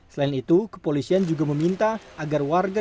selain itu kepolisian juga meminta agar warga